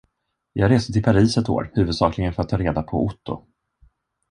Jag reste till Paris ett år huvudsakligen för att ta reda på Otto.